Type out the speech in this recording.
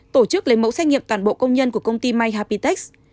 tổ chức lấy mẫu xét nghiệm toàn bộ công nhân của công ty myhabitex